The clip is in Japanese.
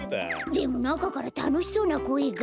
でもなかからたのしそうなこえが。